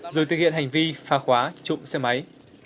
rồi thực hiện hành vi pha khóa trụng xe máy